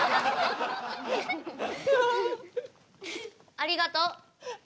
ありがとう。